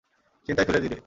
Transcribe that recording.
চিন্তায় ফেলে দিলি।